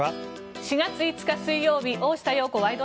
４月５日、水曜日「大下容子ワイド！